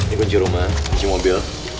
ini kunci rumah kunci mobil